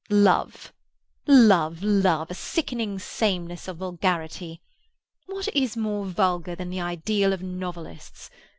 Love—love—love; a sickening sameness of vulgarity. What is more vulgar than the ideal of novelists?